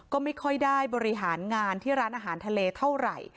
ก็ไม่ค่อยได้บริหารงานที่ร้านอาหารทะเลเท่าไหร่